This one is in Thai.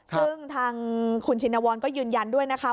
ซึ่งทางคุณชินวรก็ยืนยันด้วยนะคะ